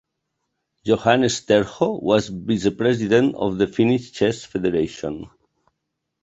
Johannes Terho was vice president of the Finnish Chess Federation.